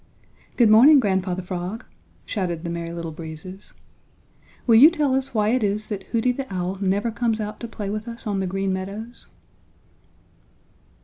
"Good morning, Grandfather Frog," shouted the Merry Little Breezes. "Will you tell us why it is that Hooty the Owl never comes out to play with us on the Green Meadows?"